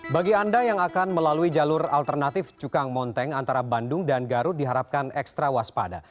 bagi anda yang akan melalui jalur alternatif cukang monteng antara bandung dan garut diharapkan ekstra waspada